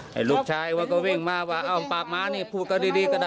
พระจำรัฐบอกอัตมาไม่ผิดนะ